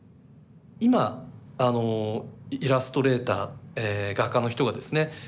今あのイラストレーター画家の人がですね